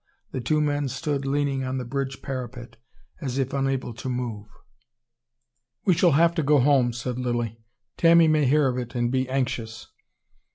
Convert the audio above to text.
The two men stood leaning on the bridge parapet, as if unable to move. "We shall have to go home," said Lilly. "Tanny may hear of it and be anxious."